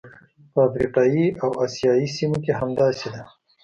په افریقایي او اسیايي سیمو کې همداسې ده.